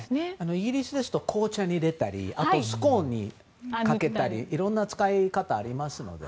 イギリスですと紅茶に入れたりあとはスコーンにかけたりいろんな使い方がありますね。